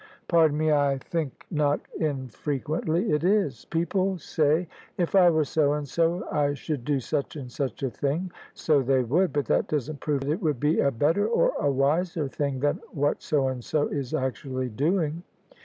" Pardon me, I think not infrequently it is. People say, ' If I were so and so I should do such and such a thing/ So they would ; but that doesn't prove it would be a better or a wiser thing than what so and so is actually doing.